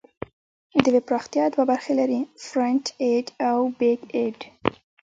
د ویب پراختیا دوه برخې لري: فرنټ اینډ او بیک اینډ.